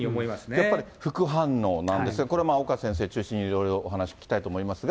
やっぱり副反応なんですが、これも岡先生中心にいろいろ、お話聞きたいと思いますが。